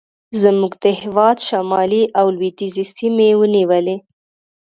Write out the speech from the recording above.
زموږ د هېواد شمالي او لوېدیځې سیمې ونیولې.